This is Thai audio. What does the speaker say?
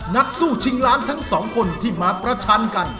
นักสู้ชิงล้านทั้งสองคนที่มาประชันกัน